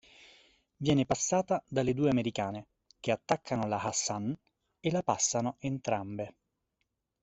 Viene passata dalle due americane, che attaccano la Hassan e la passano entrambe.